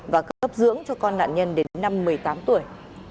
và cấp dưỡng cho con nạn nhân đến năm một mươi tám tuổi